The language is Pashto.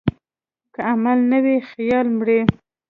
که عمل نه وي، خیال مري.